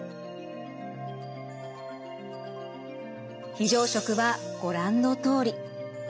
非常食はご覧のとおり。